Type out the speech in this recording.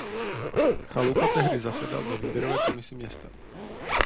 Chalupa tehdy zasedal ve výběrové komisi města.